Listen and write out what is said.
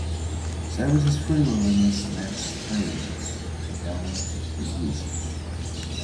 Service is free with limits on access periods and downloads per use.